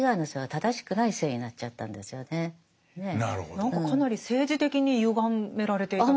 何かかなり政治的にゆがめられていたってこと？